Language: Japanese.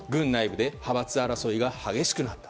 軍内部で、派閥争いが激しくなった。